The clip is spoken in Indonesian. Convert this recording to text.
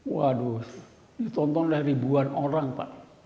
waduh ditonton oleh ribuan orang pak